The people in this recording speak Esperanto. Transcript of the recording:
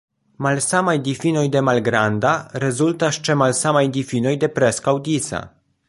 Malsamaj difinoj de "malgranda" rezultas ĉe malsamaj difinoj de "preskaŭ disa".